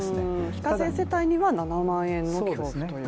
非課税世帯には７万円の給付という。